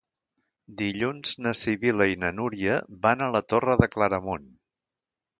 Dilluns na Sibil·la i na Núria van a la Torre de Claramunt.